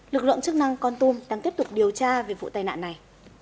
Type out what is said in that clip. lực lượng chức năng con tum đang tiếp tục điều tra về vụ tai nạn này